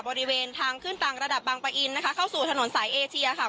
บริเวณทางขึ้นต่างระดับบางปะอินนะคะเข้าสู่ถนนสายเอเชียค่ะ